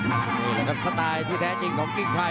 อันอันอาคารที่แทนจริงของกิ้งไพร